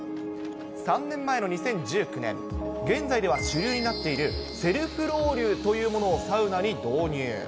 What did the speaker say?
３年前の２０１９年、現在では主流になっているセルフロウリュというものをサウナに導入。